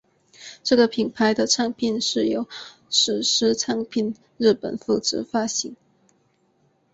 这个品牌的唱片是由史诗唱片日本负责发行。